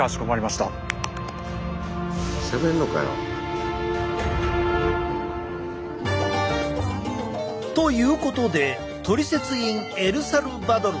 しゃべんのかよ。ということで「トリセツ」インエルサルバドル。